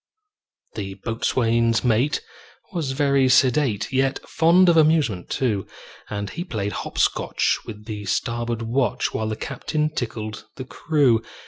The boatswain's mate was very sedate, Yet fond of amusement, too; And he played hop scotch with the starboard watch, While the captain tickled the crew.